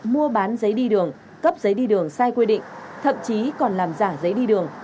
mua bán giấy đi đường cấp giấy đi đường sai quy định thậm chí còn làm giả giấy đi đường